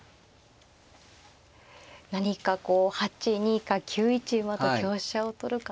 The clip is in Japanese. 何かこう８二か９一馬と香車を取るか。